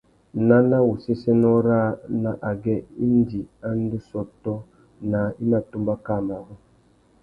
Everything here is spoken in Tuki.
Nana wu séssénô râā nà agüê indi a ndú sôtô naā i mà tumba kā marru.